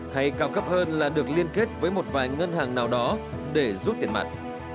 hay cao cấp hơn là được liên kết với một vài ngân hàng nào đó để rút tiền mặt